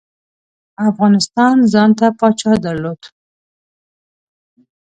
افغانستان ځانته پاچا درلود.